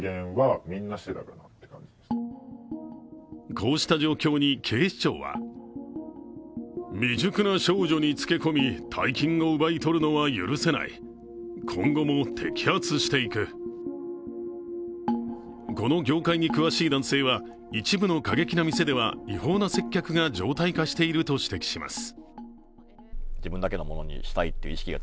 こうした状況に警視庁はこの業界に詳しい男性は、一部の過激な店では違法な接客が常態化していると指摘します。